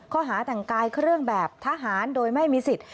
ข้อหาแต่งกายเครื่องแบบทหารโดยไม่มีสิทธิ์